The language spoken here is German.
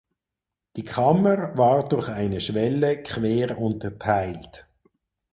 Die Kammer war durch eine Schwelle quer unterteilt.